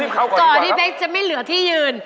ก่อนที่เบ๊กจะไม่เหลือที่ยืน